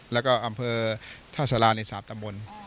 แล้วก็อำเภอท่าสาราใน๓ตำบล